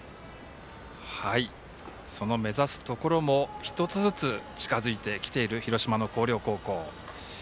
その目指すところも１つずつ近づいてきている広島の広陵高校。